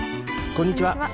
こんにちは。